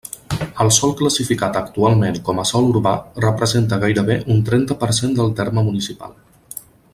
El sòl classificat actualment com a sòl urbà representa gairebé un trenta per cent del terme municipal.